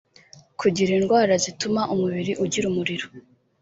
kugira indwara zituma umubiri ugira umuriro